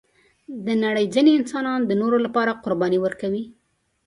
د نړۍ ځینې انسانان د نورو لپاره قرباني ورکوي.